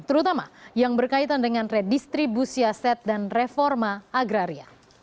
terutama yang berkaitan dengan redistribusi aset dan reforma agraria